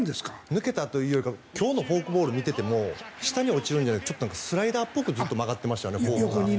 抜けたというより今日のフォークボール見ていても下に落ちるんじゃなくてスライダーっぽくずっと曲がってましたね。